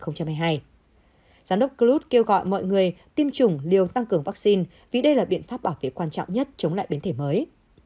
giám đốc grut kêu gọi mọi người tiêm chủng liều tăng cường vaccine vì đây là biện pháp bảo vệ quan trọng nhất chống lại biến thể mới